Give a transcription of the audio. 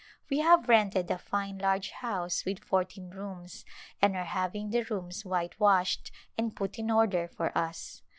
We have rented a fine large house with fourteen rooms and are having the rooms white washed and put in order for us.